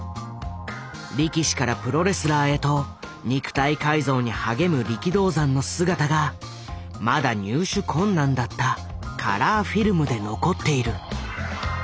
力士からプロレスラーへと肉体改造に励む力道山の姿がまだ入手困難だったカラーフィルムで残っている。